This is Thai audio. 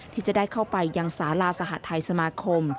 ที่จะได้เข้าไปยังสาราสหทัยสมาคม